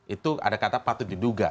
itu ada kata patut diduga